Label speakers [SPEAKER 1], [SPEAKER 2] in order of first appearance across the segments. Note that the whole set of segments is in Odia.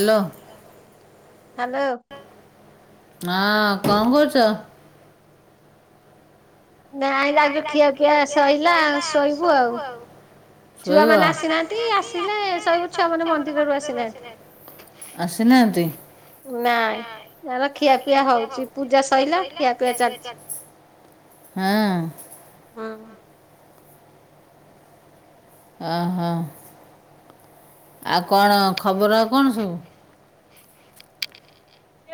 [SPEAKER 1] ହ୍ୟାଲୋ।
[SPEAKER 2] ହଁ କଣ କରୁଚ?
[SPEAKER 1] ନାଇ [unintelligible] ଖିଆ ପିଆ ସଇଲା, ଶୋଇବୁ ଆଉ। ଛୁଆମାନେ ଆସିନାହାନ୍ତି, ଆସିଲେ ଶୋଇବୁ ଛୁଆ ମାନେ ମନ୍ଦିରରୁ ଆସିନାହାନ୍ତି।
[SPEAKER 2] ଆସିନାହାନ୍ତି?
[SPEAKER 1] ନାଇଁ [unintelligible] ଖିଆପିଆ ହଉଚି, ପୂଜା ସଇଲା ଖିଆପିଆ ଚାଲିଚି।
[SPEAKER 2] ହଁ।
[SPEAKER 1] ହଁ।
[SPEAKER 2] ଅ ହ ଆଉ କଣ ଖବର ଆଉ କଣ ସବୁ।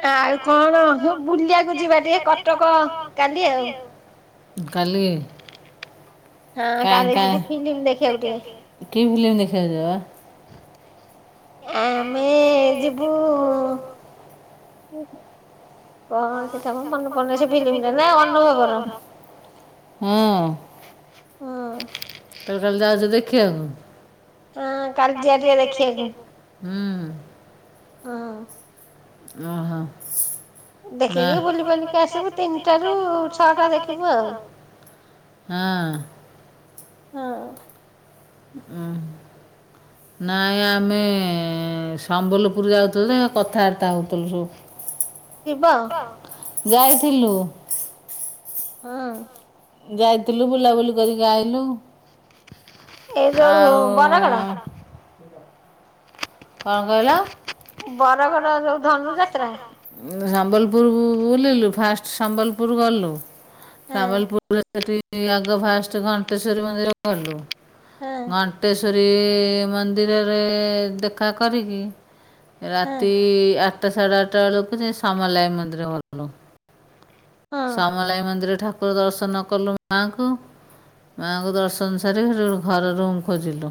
[SPEAKER 1] ତ ଆଉ କଣ ସବୁ ବୁଲିଆକୁ
[SPEAKER 2] କାଲି [unintelligible] କାଇଁ କାଇଁ, କି ଫିଲ୍ମ୍ ଦେଖିବାକୁ ଯିବା ବା?
[SPEAKER 1] ଆମେ ଯିବୁ କଣ ସେଟା ବା ମନେ ପଡୁନି ସେ ଫିଲିମଟା ନା ଅନୁଭବର।
[SPEAKER 2] ହଁ ତେମେ ତାହେଲେ ଯାଉଛ ଦେଖିଆକୁ?
[SPEAKER 1] ହଁ କାଲି ଯିବା ଟିକେ ଦେଖିଆକୁ।
[SPEAKER 2] ହୁଁ।
[SPEAKER 1] ହଁ।
[SPEAKER 2] ଓ ହୋ।
[SPEAKER 1] ଦେଖିକି ବୁଲି ବାଲିକି ଆସିବୁ, ତିନିଟା ରୁ ଛଅଟା ଦେଖିବୁ ଆଉ।
[SPEAKER 2] ହଁ।
[SPEAKER 1] ହଁ।
[SPEAKER 2] ଉଁ। ନାଇଁ ଆମେ ସମ୍ବଲପୁର ଯାଉଥିଲୁ, [unintelligible] କଥାବାର୍ତ୍ତା ହଉଥିଲୁ ସବୁ। ଯାଇଥିଲୁ।
[SPEAKER 1] ହଁ।
[SPEAKER 2] ଯାଇଥିଲୁ ବୁଲାବୁଲି କରିକି ଆଇଲୁ। ଆଉ କଣ କହିଲ?
[SPEAKER 1] ବରଗଡ ଯୋଉ ଧନୁଯାତ୍ରା?
[SPEAKER 2] ସମ୍ବଲପୁର-ଉ-ଉ-ଉ ବୁଲିଲୁ ଫାଷ୍ଟ ସମ୍ବଲପୁର ଗଲୁ ସମ୍ବଲପୁରରେ ସେଠି ଆଗ ଫାଷ୍ଟ ଘଣ୍ଟେଶ୍ଵରୀ ମନ୍ଦିର ଗଲୁ, ଘଣ୍ଟେଶ ଶ୍ୱରୀ-ଇ-ଇ-ଇ ମନ୍ଦିରରେ-ଏ-ଏ-ଏ ଦେଖା କରିକି-ଇ-ଇ ରାତି ଆଠ ଆଟା ସାଢେ ଆଟା ବେଳକୁ ସେଇ ସମଲେଇ ମନ୍ଦିର ଗଲୁ। ସମଲେଇ ମନ୍ଦିରରେ ଠାକୁର ଦର୍ଶନ କଲୁ ମାଆଙ୍କୁ। ମାଆଙ୍କୁ ଦର୍ଶନ ସାରି ସେଠୁ ଘର ରୁମ୍ ଖୋଜିଲୁ।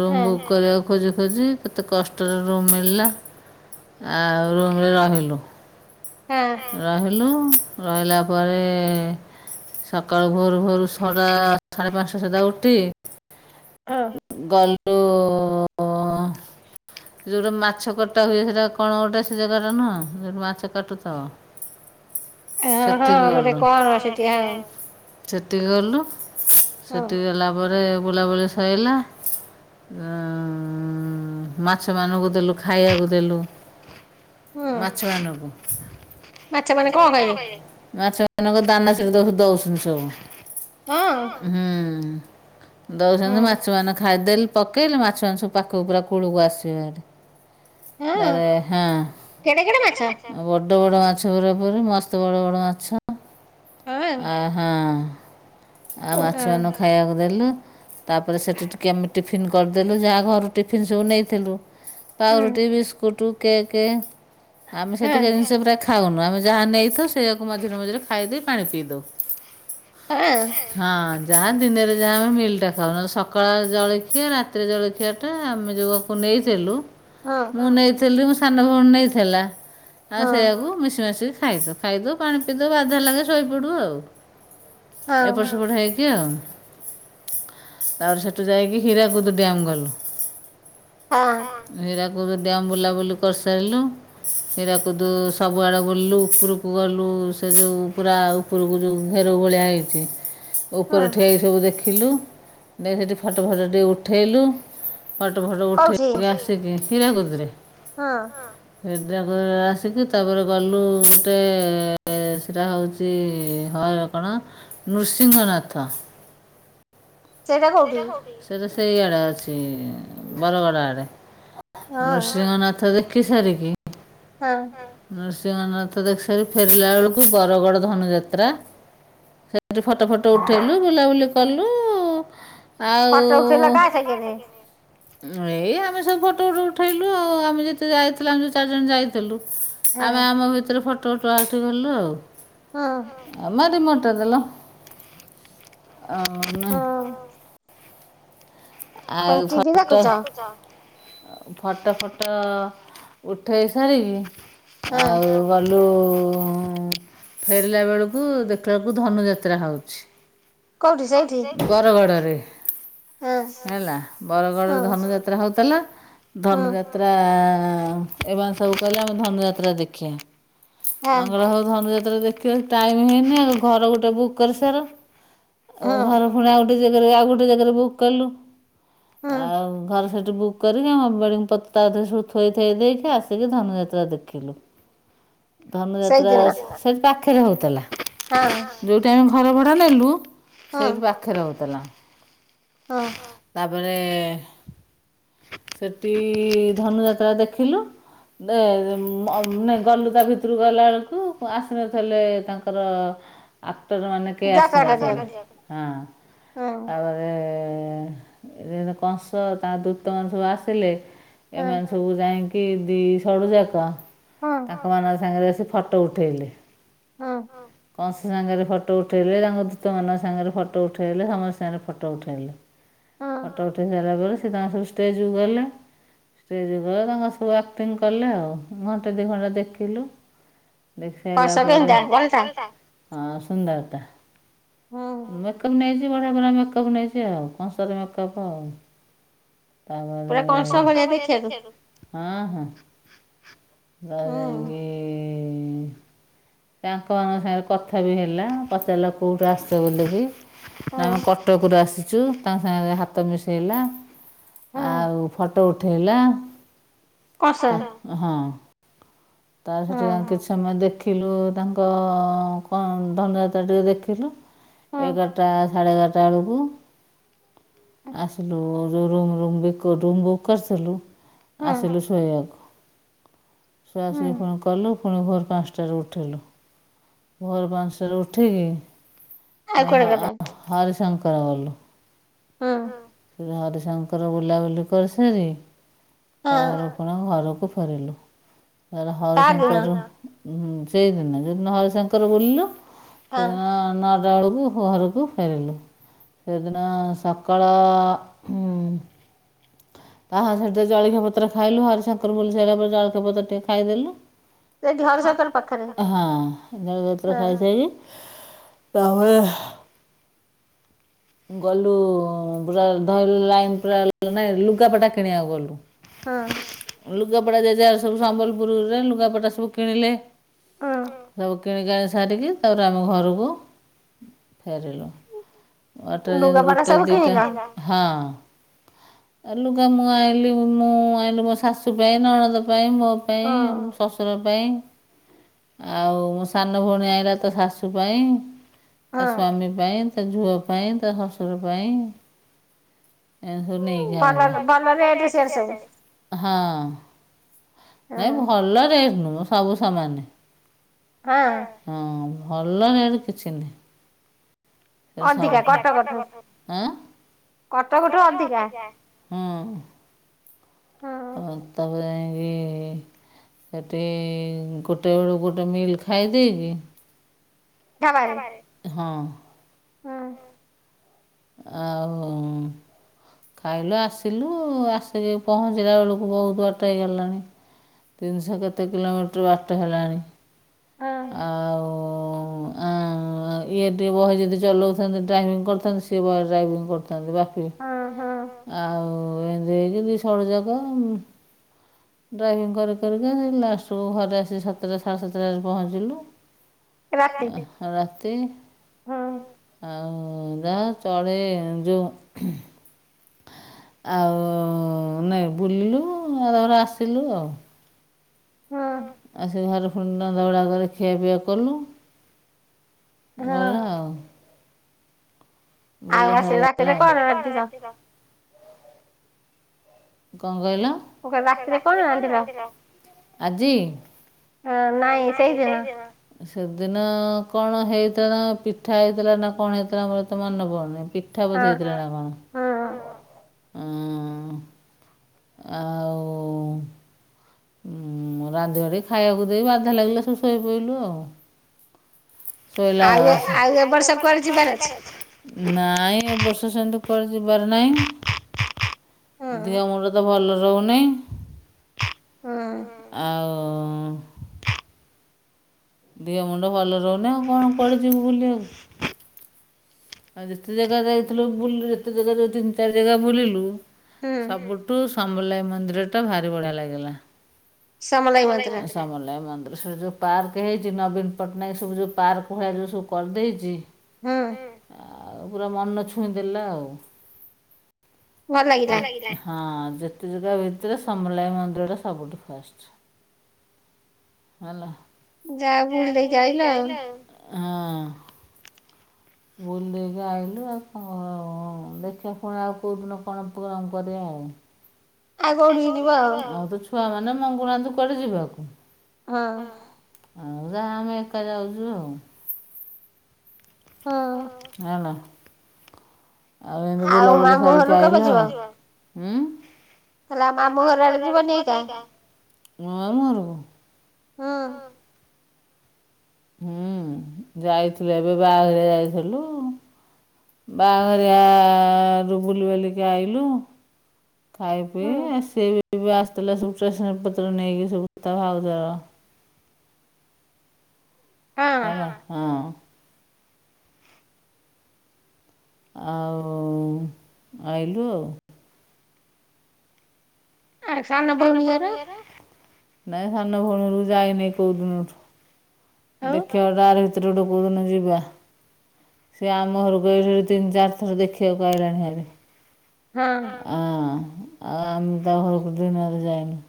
[SPEAKER 2] ରୁମ୍ ବୁକ୍ କରିବାକୁ ଖୋଜି ଖୋଜି କେତେ କଷ୍ଟରେ ରୁମ୍ ମିଳିଲା, ଆଉ ରୁମରେ ରହିଲୁ।
[SPEAKER 1] ଆ-ଆ
[SPEAKER 2] ରହିଲୁ, ରହିଲା ପରେ-ଏ-ଏ-ଏ ସକାଳୁ ଭୋରୁ ଭୋରୁ ଛଟା-ଆ-ଆ-ଆ ସାଢେ ପାଞ୍ଚଟା ସୁଦ୍ଧା ଉଠି
[SPEAKER 1] [unintelligible]
[SPEAKER 2] ଗଲୁ-ଉ-ଉ-ଉ-ଉ ଯୋଉଟା ମାଛ କଟା ହୁଏ ସେଟା କଣ ଗୋଟେ ସେ ଜାଗାଟା ନୁହଁ, ସେଇଟି ମାଛ କାଟୁ ହଁ ସେଠିକି ଗଲୁ। ସେଟିକୁ ଗଲୁ, ସେଟି ଗଲା ପରେ ବୁଲାବୁଲି ସଇଲା। ଉ-ଉ-ଉ-ଉ-ଉ-ଉ ମାଛମାନଙ୍କୁ ଦେଲୁ ଖାଇଆକୁ ଦେଲୁ ମାଛ ମାନକୁ। ମାଛ ମାନକୁ ଦାନା ସେଠି ଦଉଛ ଦଉଛନ୍ତି ସବୁ।
[SPEAKER 1] ହଁ।
[SPEAKER 2] ହୁଁ-ଉ-ଉ-ଉ ଦଉଛନ୍ତି ମାଛ ମାନେ ଖାଇଦେଲ ପକେଇଲେ ମାଛ ମାଛ ପାଖକୁ ପୁରା କୂଳକୁ ଆସିବେହାରି। କେଡେ କେଡେ ମାଛ? ଦୌଡା ମାଛ ପୁରାପୁରି, ମସ୍ତ ବଡ଼ ବଡ଼ ମାଛ, ଆ ହଁ। ଆଉ ମାଛମାନଙ୍କୁ ଖାଇବାକୁ ଦେଲୁ। ତାପରେ ସେଠି ଟିକେ ଆମେ ଟିଫିନ୍ କରିଦେଲୁ ଯାହା ଘରୁ ଟିଫିନ୍ ସବୁ ନେଇଥିଲୁ। ପାଉରଟି, ବିସ୍କୁଟ, କେକ୍ ଆମେ ସେଠି ଜିନିଷ ପୁରା ଖାଉନୁ ଆମେ ଯାହା ନେଇଥାଉ ସେଇଆକୁ ମଝିରେ ମଝିରେ ଖାଇଦେଇ ପାଣି ପିଇଦଉ।
[SPEAKER 1] ହଁ।
[SPEAKER 2] ହଁ ଯାହା ଦିନରେ ଯାହା ଆମେ ମିଲଟା ଖାଉ, ନହେଲେ ସକାଳ ଜଳଖିଆ ରାତିରେ ଜଳଖିଆ ଟା ଆମେ ଯୋଆକୁ ନେଇଥିଲୁ
[SPEAKER 1] ହଁ।
[SPEAKER 2] ମୁଁ ନେଇଥିଲୁ ମୋ ସାନ ଭଉଣୀ ନେଇଥିଲା ଆଉ ସେଇଆକୁ ମିଶିମାଶିକି ଖାଇଦେଉ। ଖାଇଦେଉ ପାଣି ପିଇଦଉ ବାଧା ଲାଗେ ଶୋଇପଡ଼ୁ ଆଉ ଏପଟ ସେପଟ ହେଇକି ଆଉ। ତାପରେ ସେଠୁ ଯାଇକି ହୀରାକୁଦ ଡ୍ୟାମ ଗଲୁ।
[SPEAKER 1] ହଁ।
[SPEAKER 2] ହିରାକୁଦ ଡ୍ୟାମ ବୁଲାବୁଲି କରିସାରିଲୁ ହୀରାକୁଦୁ ସବୁଆଡ଼େ ବୁଲିଲୁ ଉପରକୁ ଗଲୁ ସେ ଯେଉ ପୁରା-ଆ ଉପରକୁ ଯେଉଁ ଘେରଉ ଭଳିଆ ହେଇଛି ଉପରେ ଠିଆଇ ସବୁ ଦେଖି ଥିଲୁ ଯାଇ ସେଠି ଫଟୋ ଫାଟୋ ଟିକେ ଉଠେଇଲୁ ଫଟୋ ଫାଟୋ ଉଠେଇକି ଆସ୍ ସେଠି ହୀରାକୁଦରେ।
[SPEAKER 1] ହଁ।
[SPEAKER 2] ହିରାକୁଦୁରୁ ଆସିକି ତାପରେ ଗଲୁ-ଉ-ଉ ଗୋଟେ-ଏ-ଏ-ଏ ସେଟା ହଉଛି ଉଛି-ଇ-ଇ ହ ରେ କଣ? ନୃସିଂହନାଥ। ସେଇଟା ସେଇଆଡ଼େ ଅଛି ବରଗଡ଼ ଆଡ଼େ। ନୃସିଂହ ନାଥ ଦେଖି ସାରିକି
[SPEAKER 1] ହଁ।
[SPEAKER 2] ନୃସିଂହନାଥ ଦେଖିସାରି ଫେରିଲା ବେଳକୁ ବରଗଡ ଧନୁ ଯାତ୍ରା ସେଥିରେ ଫଟୋ ଫଟୋ ଉଠେଇଲୁ ବୁଲାବୁଲି କଲୁ-ଉ-ଉ-ଉ ଆଉ-ଉ-ଉ-ଉ ଏଇ ଆମେ ସବୁ ଫଟୋ ଫଟୋ ଉଠେଇଲୁ ଆଉ ଆମେ ଯେତେ ଯାଇଥିଲୁ ଯେଉ ଚାରିଜଣ ଯାଇଥିଲୁ ଆମେ ଆମ ଭିତରେ ଫଟୋ ଉଠା ଉଠି ହେଲୁ ଆଉ
[SPEAKER 1] ହଁ।
[SPEAKER 2] ଆମ ରିମୋଟ ଦେଲ ଆଉନ ଏ ଆଉ ଫଟ ଫଟ ଫଟ ଉଠେଇ ସାରିକି ଆଉ ଗଲୁ ଫେରିଲା ବେଳକୁ ଦେଖିଲାବେଳକୁ ଧନୁଯାତ୍ରା ହେଉଚି, ବରଗଡରେ। ହେଲା ବରଗଡରେ ଧନୁଯାତ୍ରା ହଉଥିଲା। ଧନୁଯାତ୍ରା ରା ଏ ମାନେ ସବୁ କହିଲେ ଆମେ ଧନୁଯାତ୍ରା ଦେଖିବା। ଆଙ୍ଗର ହଉ ଧନୁଯାତ୍ରା ଦେଖିବା ଟାଇମ ହେଇନି ଆ ଘର ଗୋଟେ ବୁକ୍ କରିସାର ଆଉ ଘର ପୁଣି ଆଉ ଗୋଟେ ଜାଗାରୁ ଆଉ ଗୋଟେ ଜାଗାରେ ବୁକ୍ କଲୁ ଆଉ ଘର ସେଇଠି ବୁକ୍ କରିକି ଆମ ବେଡିଂ ପତାବୁ ଥୋଇ ଥାଇ ଦେଇକି ଆସିକି ଧନୁଯାତ୍ରା ଦେଖିଲୁ। ଧନୁଯାତ୍ରା ସେଠି ପାଖରେ ହଉଥିଲା।
[SPEAKER 1] ହଁ।
[SPEAKER 2] ଯେଉଁଠି ଆମେ ଘର ଭଡ଼ା ନେଲୁ ସେଇଠି ପାଖରେ ହଉଥିଲା।
[SPEAKER 1] ହଁ।
[SPEAKER 2] ତାପରେ ସେଠି ଧନୁଯାତ୍ରା ଦେଖିଲୁ, ଏ ନାଇ ଗଲୁ ତା ଭିତରକୁ ଗଲାବେେଳକୁ ଆସିନଥିଲେ ତାଙ୍କର ଆକ୍ଟର ମାନେ କେହି ଆସିନଥିଲେ। ହଁ। ତାପରେ ଏଏଏ କଂସ ତା ଦୂତ ମାନେ ସବୁ ଆସିଲେ ଏମାନେ ସ ସବୁ ଯାଇକି ଦି ସଡ଼ୁଯାକ ତାଙ୍କ ମାନଙ୍କ ସାଙ୍ଗରେ ଆସି ଫଟୋ ଉଠେଇଲେ।
[SPEAKER 1] ହଁ।
[SPEAKER 2] କଂସ ସାଙ୍ଗରେ ଫଟୋ ଉଠେଇଲେ ତାଙ୍କ ଦୂତ ମାନଙ୍କ ସାଙ୍ଗରେ ଫଟୋ ଉଠେଇଲେ ସମସ୍ତ ସାଙ୍ଗରେ ଫଟୋ ଉଠେଇଲେ, ଫଟ ଉଠେଇ ସାରିଲା ପରେ ସେ ତାଙ୍କର ସଷ୍ଟେଜକୁ ଗଲେ, ଷ୍ଟେଜ କୁ ଗଲେ ତାଙ୍କ ସବୁ ଆକ୍ଟିଂ କଲେ ଆଉ ଘଣ୍ଟେ ଦୁଇ ଘଣ୍ଟା ଦେଖିଲୁ। ଦେଖେଇଲା ପରେ ହଁ ସୁନ୍ଦର୍ ଟା। ମେକଅପ ନେଇଚି ବଢିଆ ପୁରା ମେକଅପ୍ ନେଇଚି ଆଉ କଂସର ମେକଅପ ଆଉ [unintelligible] କଂସ ଭଳିଆ ଦେଖିବାକୁୁ? ହଁ ହଁ। [unintelligible] ଇ ତାଙ୍କ ମାନଙ୍କ ସାଙ୍ଗରେ କଥା ବି ହେଲା ପଚାରିଲା କୋଉଠୁ ଆସିଚ ବୋଲି କି? ଆମେ କଟକରୁ ଆସିଚୁ। ତାଙ୍କ ସାଙ୍ଗରେ ହାତ ମିଶେଇଲା। ଆଉ ଫଟୋ ଉଠେଇଲା। ହଁ। ତା ରେ ସେଠୀ ଯାଇ କିଛି ସମୟ ଦେଖିଲୁ ତାଙ୍କ କଣ ଧନୁଯାତ୍ରା ଟିକେ ଦେଖିଲୁ। ଏଗାରଟା ସାଢ଼େ ଏଗାରଟା ବେଳକୁ ଆସିଲୁ ଯୋଉ ରୁମ୍ ରୁମ୍ ବୁକୁ ବୁକ୍ କରିଥିଲୁ ଆସିଲୁ ଶୋଇବାକୁ। ଶୁଆ ସୋଇ ଫୁଣୀ କଲୁ ପୁଣି ଭୋର ପାଞ୍ଚଟାରେ ଉଠିଲୁ। ଭୋର ପାଞ୍ଚଟାରେ ଉଠିକି ହ ହ ଅ ହରିଶଙ୍କର ଗଲୁ।
[SPEAKER 1] ହଁ।
[SPEAKER 2] ହରିଶଙ୍କର ବୁଲାବୁଲି କରିସାରି ତାପରେ ଫୁଣୀ ଘରକୁ ଫେରିଲୁ ତାରେ ହରିଶଙ୍କରୁ ହୁଁ ସେଇଦିନ ଯୋଉଦିନ ହରିଶଙ୍କର ବୁଲିଲୁ ସେଦିନ ନ ସାତଟା ବେଳକୁ ଘରକୁ ଫେରିଲୁ ସେଦିନ ସା ସକାଳ [unintelligible] ତାହା ସେଠି ଜଳଖିଆପତ୍ର ଖାଇଲୁ ହରିଶଙ୍କର ବୁଲି ସାରିଲା ପରେ ଜଳଖିଆପତ୍ର ଟିକେ ଖାଇଦେଲୁ। [unintelligible] ହଁ ଜଳଖିଆପତ୍ର ଖାଇ ସାରିକୀ ତାପରେ ଗଲୁ ପୁରା ଧରୁଲୁ ଲାଇନ ପୁରା ନାଇଁ ଲୁଗାପଟା କିଣିବାକୁ ଗଲୁ।
[SPEAKER 1] ହଁ।
[SPEAKER 2] ଲୁଗାପଟା ଯିଏ ଜା ସବୁ ସମ୍ବଲପୁରରେ ଲୁଗାପଟା ସବୁ କିଣିଲେ। ହୁଁ ସବୁ କିଣିକାଣି ସାରିକି ତାପରେ ଆମେ ଘରକୁ ଫେରିଲୁ। ବାଟରେ ଯେମତି ଗୋଟେ ଦିଟା ହଁ, ଲୁଗା ମୁଁ ଆଣିଲି ମୁଁ ଆଣିଲି ମୋ ଶାଶୁ ପାଇଁ ନଣଦ ପାଇଁ, ମୋ ପାଇଁ, ଶଶୁର ପା ପାଇଁ, ଆଉ ମୋ ସାନ ଭଉଣୀ ଆଣୀଲା ତା ଶାଶୁ ପାଇଁ। ତା ସ୍ଵାମୀ ପାଇଁ, ତା ଝୁଅ ପାଇଁ, ତା ଶଶୁର ପାଇଁ, ଏ ସବୁ ନେଇକି ହଁ। ନାଇଁ ଭଲ ରେଟ ନୁହେଁ ସବୁ ସମାନେ।
[SPEAKER 1] ହଁ।
[SPEAKER 2] ହଁ ଭଲ ରେଟ କିଛି ନାହିଁ। ସବୁ, ଆଁ ହଁ। ଆଉ ତାପରେ ଯାଇକି ସେଠି ଗୋଟେ ବେଳକୁ ଗୋଟେ ମିଲ୍ ଖାଇଦେଇକି ହଁ।
[SPEAKER 1] ହୁଁ।
[SPEAKER 2] ଆଉ ଖାଇଲୁ ଆସିଲୁ ଆସିକି ପହଞ୍ଚିଲା ବେଳକୁ ବହୁତ ବାଟ ହେଇଗଲାଣି। ତିନିଶହ କେତେ କିଲୋମିଟର ବାଟ ହେଲାଣି, ଆଉ ଆଉ ଇଏ ଟିଏ ବହେ ଯଦି ଚଲାଉଥାନ୍ତେ ଡ୍ରାଇଭିଂ କରିଥାନ୍ତି ସିଏ ବହେ ଡ୍ରାଇଭିଂ କରିଥାନ୍ତି। ତାପରେ ବାପି ଆଉ ଏମିତି ହେଇକ ଦିଷଡଯାକ ଡ୍ରାଇଭିଂ କରି କରିକା ଲାଷ୍ଟକୁ ଘରେ ଆସି ସାତଟା ସାଢ଼େ ସାତଟା ପହଞ୍ଚିଲୁ, ରାତି
[SPEAKER 1] ହଁ।
[SPEAKER 2] ଆଉ ଜା ଚଳେ ଯୋଉ ଉହ୍ ଆଉ ନାଇ, ବୁଲିଲୁ ତାପରେ ଆସିଲୁ ଆଉ।
[SPEAKER 1] ହଁ।
[SPEAKER 2] ସେ ଘର ପୁଣି ରନ୍ଧା ବଢ଼ା କରି ଖିଆପିଆ କଲୁ, ଗଲା ଆଉ। ବୁଲା କଣ କହିଲ? ଆଜି? ସେଦିନ କଣ ହେଇଥିଲା ନା ପିଠା ହେଇଥିଲା ନା କଣ ହେଇଥିଲା ବୋ ତ ମନ ପଡନି, ପିଠା ବୋଧେ ହେଇଥିଲା ନା କଣ। ଆଉ ହୁଁ ମୁଁ ରାନ୍ଧି ବାଢିକି ଖାଇବାକୁ ଦେଇକି ବାଧା ଲାଗିଲା ସବୁ ଶୋଇ ପଡିଲୁ ଆଉ। ଶୋଇଲା ନାଇଁ ଏ ବର୍ଷ ସେମତି କୁଆଡେ ଯିବାର ନାହିଁ। ଦେହ, ମୁଣ୍ଡ ତ ଭଲ ରହୁନି।
[SPEAKER 1] ହୁଁ।
[SPEAKER 2] ଆଉ ଦିହ ମୁଣ୍ଡ ଭଲ ରହୁନି ଆଉ କଣ କୁଆଡେ ଯିବୁ ବୁଲିବାକୁ। ଆଉ ଯେତେ ଜାଗା ଯାଇଥିଲୁ ବୁଲିଲୁ ଯେତେ ଜାଗାରେ ଯେ ତିନି ଚାରି ଜାଗା ବୁଲିଲୁ, ସବୁଠୁ ଶୁ ସମଲାଇ ମନ୍ଦିର ଟା ଭାରି ବଢିଆ ଲାଗିଲା। ସମଲାଇ ମନ୍ଦିର ସେ ଯଉ ପାର୍କ ହେଇଛି ନବୀନ ପଟ୍ଟନାୟକ ସବୁ ଯୋଉ ପାର୍କ ଭଳିଆ ଯୋଉ ସବୁ କରିଦେଇଛି।
[SPEAKER 1] ହୁଁ।
[SPEAKER 2] ଆଉ ପୁରା ମନ ଛୁଇଁଦେଲା ଆଉ। ହଁ ଯେତେ ଜାଗା ଭିତରେ ସମ୍ବଲାଇ ମନ୍ଦିରଟା ସବୁଠୁ ଫାଷ୍ଟ। ହେଲା।
[SPEAKER 1] ଯା ବୁଲିଦେଇକି ଆଇଲ ଆଉ।
[SPEAKER 2] ହଁ। ବୁଲି ଦେଇକି ଆଇଲୁ ଆଉ କଣ ଦେଖିଆ ପୁଣି ଆଉ କେଉଁଦିନ କଣ କଣ କରିବା ଆଉ।
[SPEAKER 1] ଆଉ କୋଉଠିକି ଯିବ ଆଉ।
[SPEAKER 2] ଛୁଆମାନେ ମଙ୍ଗୁନାହାନ୍ତି କୁଆଡେ ଯିବାକୁ।
[SPEAKER 1] ହଁ।
[SPEAKER 2] ଆଉ ଯାହା ଆମେ ଏକା ଯାଉଛୁ ଆଉ। ହଁ ହ୍ୟାଲୋ। ଆଉ ଏମିତି ବୁଲାବୁଲି ସାରିକି ଆଇଲୁ ହୁଁ।
[SPEAKER 1] ତାହେଲେ ଆମ ମାମୁ ଘର ଆଡେ ଯିବନି ଏଇକା।
[SPEAKER 2] ମୋ ମାମୁଁ ଘରକୁ।
[SPEAKER 1] ହଁ।
[SPEAKER 2] ହୁଁ ଯାଇଥିଲୁ ଏବେ ବାହାଘରିଆ ଯାଇଥିଲୁ। ବାହାଘରିଆ ରୁ ବୁଲି ବାଲିକି ଆଇଲୁ। ଖାଇ ପିଇ ସିଏ ବି ବି ଆସିଥିଲା ସବୁ ଷ୍ଟେସନାରୀ ପତ୍ର ନେଇକି ସବୁ ତା ଭାଉଜର। ହଁ ହଁ। ଆଉ ଆଇଲୁ ଆଉ। ସାନ ଭଉଣୀ ଘରକୁ ଯାଇନି କୋଉ ଦିନଠୁ। ଦେଖିଆ ଗୋଟେ ଆରି ଭିତରେ ଗୋଟେ କୋଉ ଦିନ ଯିବା। ସିଏ ଆମ ଘରକୁ ଏଇଠି ତିନି ଚାରି ଥର ଦେଖିବାକୁ ଆଇଲାଣିଭାରି।
[SPEAKER 1] ହଁ।
[SPEAKER 2] ଆ ଆ ଆମେ ତା ଘରକୁ ଦିନେ ହେଲେ ଯାଇନୁ।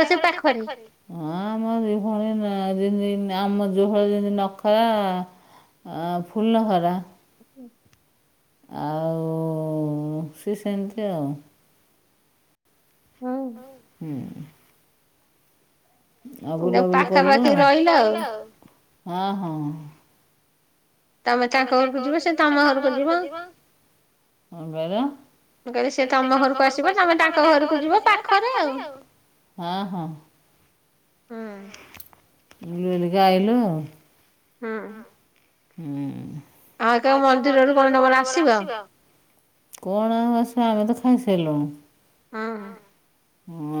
[SPEAKER 2] ତା ଘରେ ସେ ପାଖରେ? ହଁ ଆମର ଦି ଭଉଣୀ ଯେମିତି ଆମ ଦି ଭଉଣୀ ଯେମତି ନଖରା। ଫୁଲନଖରା।
[SPEAKER 1] ହୁଁ
[SPEAKER 2] ଆଉ ସିଏ ସେମିତି ଆଉ।
[SPEAKER 1] ହୁଁ।
[SPEAKER 2] ହୁଁ। ଆଉ ବୁଲା ବୁଲି କଲୁ। ହଁ ହଁ।
[SPEAKER 1] ତମେ ତାଙ୍କ ଘରକୁ ଯିବ ସେ ତମ ଘରକୁ ଯିବ।
[SPEAKER 2] ହଁ ପରା।
[SPEAKER 1] ମୁ କହିଲି ସେ ତମ ଘରକୁ ଆସିବ ତମେ ତାଙ୍କ ଘରକୁ ଯିବ ପାଖରେ ଆଉ।
[SPEAKER 2] ହଁ ହଁ।
[SPEAKER 1] ହଁ।
[SPEAKER 2] ବୁଲିବୁଲିକି ଅଇଲୁ ଆଉ।
[SPEAKER 1] ହଁ।
[SPEAKER 2] ହୁଁ।
[SPEAKER 1] ଆଉ କେବେ ମନ୍ଦିରରୁ କଣ ତମର ଆସିବ?
[SPEAKER 2] କଣ ଆଉ ଆସିବା ଆମେ ତ ଖାଇସାରିଲୁଣୁ।
[SPEAKER 1] ହଁ।
[SPEAKER 2] ହୁଁ।